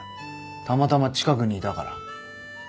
たまたま近くにいたから。